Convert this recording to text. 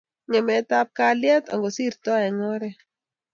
Ng'emetab kalyet angosirtoi eng oret.